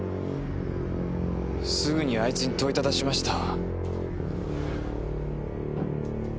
すぐにあいつに問いただしました。